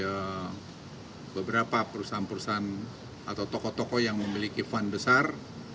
dengan juga tadi beberapa perusahaan perusahaan atau tokoh tokoh yang memiliki fund besar